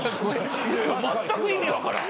まったく意味分からん。